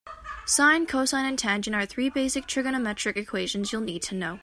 Sine, cosine and tangent are three basic trigonometric equations you'll need to know.